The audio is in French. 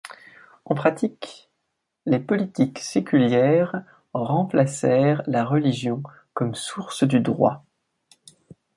En pratique, les politiques séculières remplacèrent la religion comme source du droit.